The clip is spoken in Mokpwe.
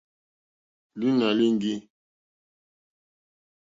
Lǐnà líŋɡî.